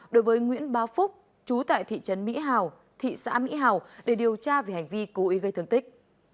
đối với nguyễn ba phúc chú tại thị trấn mỹ hào thị xã mỹ hào để điều tra về hành vi cố ý gây thương tích